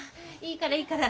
いいからいいから。